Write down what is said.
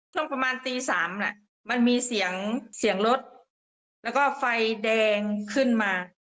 ช่วงประมาณตี๓มันมีเสียงเสียงรถแล้วก็ไฟแดงขึ้นมา